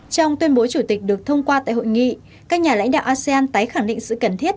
trong tuyên bố chủ tịch được thông qua tại hội nghị các nhà lãnh đạo asean tái khẳng định sự cần thiết